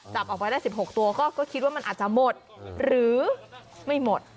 จับออกไปได้๑๖ตัวก็คิดว่ามันอาจจะหมดหรือไม่หมด